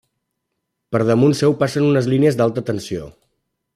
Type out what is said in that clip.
Per damunt seu passen unes línies d'alta tensió.